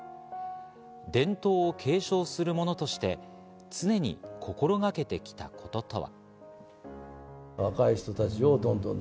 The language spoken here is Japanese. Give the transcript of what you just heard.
伝統を継承する者として常に心がけてきたこととは。